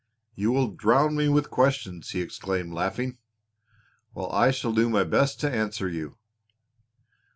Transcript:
"You will drown me with questions!" he exclaimed laughing. "Well, I shall do my best to answer you.